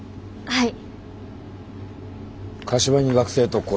はい。